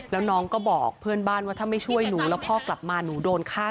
แล้วน้องก็บอกเพื่อนบ้านว่าถ้าไม่ช่วยหนูแล้วพ่อกลับมาหนูโดนฆ่า